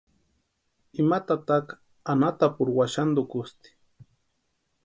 Ima tataka anhatapurhu waxantukusti.